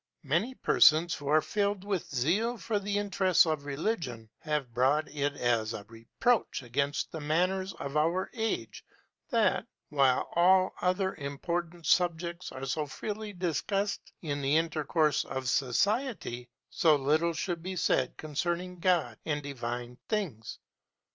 Many persons, who are filled with zeal for the interests of religion, have brought it as a reproach against the manners of our age that, while all other important subjects are so freely discussed in the intercourse of society, so little should be said concerning God and divine things.